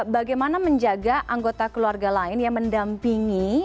bagaimana menjaga anggota keluarga lain yang mendampingi